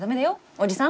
おじさん。